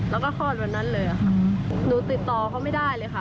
แล้วก็คลอดวันนั้นเลยค่ะหนูติดต่อเขาไม่ได้เลยค่ะ